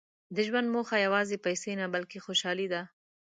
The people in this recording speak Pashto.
• د ژوند موخه یوازې پیسې نه، بلکې خوشالي ده.